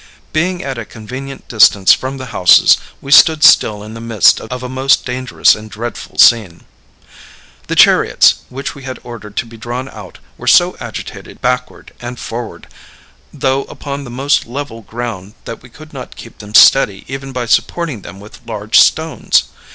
Being at a convenient distance from the houses, we stood still in the midst of a most dangerous and dreadful scene. The chariots, which we had ordered to be drawn out, were so agitated backward and forward, though upon the most level ground, that we could not keep them steady even by supporting them with large stones.